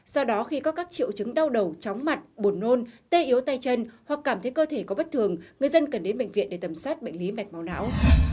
do đó khi có các triệu chứng đau đầu chóng mặt buồn nôn tê yếu tay chân hoặc cảm thấy cơ thể có bất thường người dân cần đến bệnh viện để tầm soát bệnh lý mạch máu não